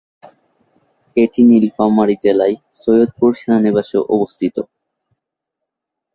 এটি নীলফামারী জেলার সৈয়দপুর সেনানিবাসে অবস্থিত।